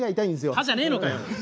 歯じゃねえのかよ！